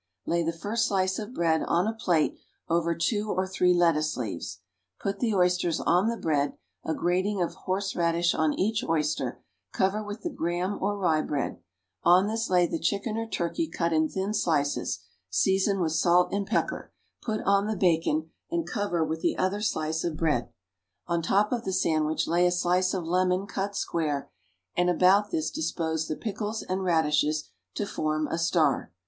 Lay the first slice of bread on a plate over two or three lettuce leaves, put the oysters on the bread, a grating of horseradish on each oyster; cover with the graham or rye bread; on this lay the chicken or turkey cut in thin slices, season with salt and pepper, put on the bacon, and cover with the other slice of bread. On top of the sandwich lay a slice of lemon cut square, and about this dispose the pickles and radishes, to form a star.